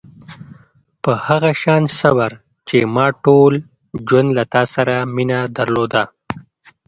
په هغه شان صبر چې ما ټول ژوند له تا سره مینه درلوده.